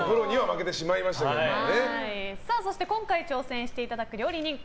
そして今回挑戦していただく料理人